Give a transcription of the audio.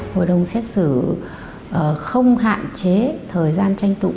hội đồng xét xử không hạn chế thời gian tranh tụng